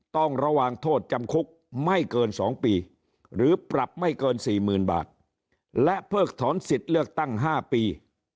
ต้องระวังโทษจำคุกไม่เกิน๒ปีหรือปรับไม่เกิน๔๐๐๐บาทและเพิกถอนสิทธิ์เลือกตั้ง๕ปี